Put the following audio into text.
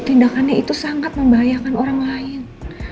tindakannya itu sangat membahayakan orang lain